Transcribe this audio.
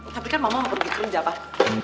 tapi kan mama mau pergi kerja pak